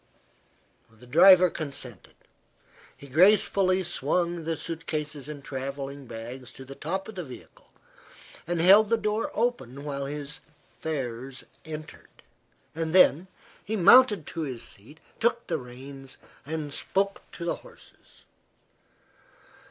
The driver consented. He gracefully swung the suit cases and travelling bags to the top of the vehicle and held the door open while his fares entered. Then he mounted to his seat, took the reins, and spoke to the horses.